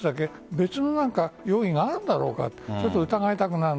別の容疑があるんだろうかって疑いたくなる。